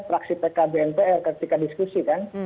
praksi pkb npr ketika diskusi kan